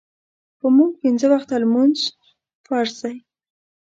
پۀ مونږ پينځۀ وخته مونځ فرض دے